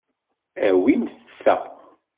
Awim ta.